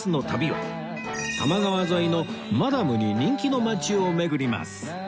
多摩川沿いのマダムに人気の街を巡ります